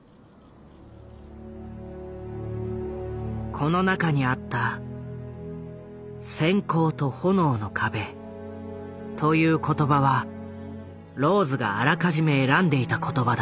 この中にあった「閃光と炎の壁」という言葉はローズがあらかじめ選んでいた言葉だ。